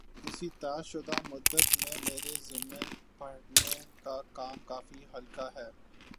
اِس طےشدہ مدت میں میرے ذمے پڑھانے کا کام کافی ہلکا ہے